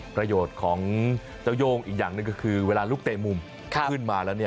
ประโยชน์ของเจ้าโย่งอีกอย่างหนึ่งก็คือเวลาลูกเตะมุมขึ้นมาแล้ว